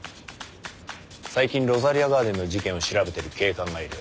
最近ロザリアガーデンの事件を調べてる警官がいる。